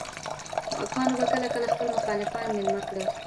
واکمنو به کله کله خپل مخالفان مېلمانه کړل.